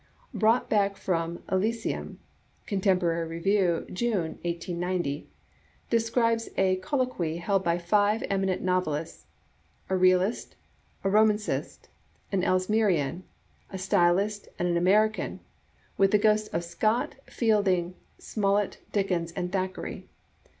" Brought Back from Elysium" (Contemporary Review^ June, 1890) describes a colloquy held by five eminent novelists, a Realist, a Romancist, an Elsmerian, a Styl ist, and an American, with the ghosts of Scott, Fielding, Smollett, Dickens, and Thackeray.